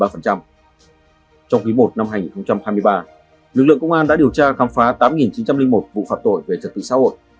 trong quý i năm hai nghìn hai mươi ba lực lượng công an đã điều tra khám phá tám chín trăm linh một vụ phạm tội về trật tự xã hội